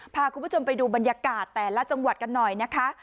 พาคุณผู้ชมไปดูบรรยากาศแต่ละจังหวัดกันหน่อยนะคะ